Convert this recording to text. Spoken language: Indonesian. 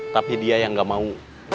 tapi dia yang gak mau